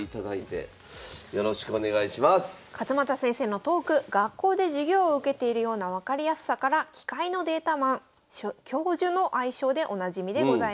勝又先生のトーク学校で授業を受けているような分かりやすさからの愛称でおなじみでございます。